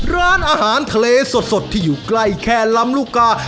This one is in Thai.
ร้านอาหารทะเลสดที่อยู่ใกล้แค่ลำลูกกา